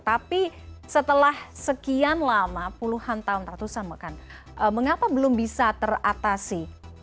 tapi setelah sekian lama puluhan tahun ratusan bahkan mengapa belum bisa teratasi